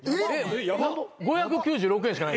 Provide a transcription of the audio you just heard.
５９６円しかない。